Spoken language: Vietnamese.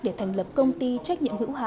để thành lập công ty trách nhiệm hữu hạn